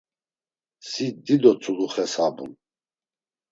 Si dido tzulu xesabum.